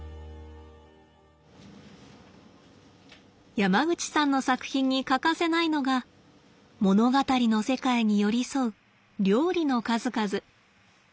山口さんの作品に欠かせないのが物語の世界に寄り添う料理の数々。